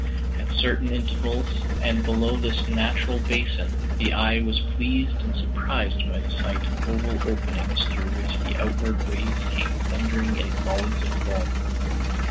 At certain intervals, and below this natural basin, the eye was pleased and surprised by the sight of oval openings through which the outward waves came thundering in volleys of foam.